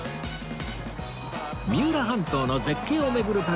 三浦半島の絶景を巡る旅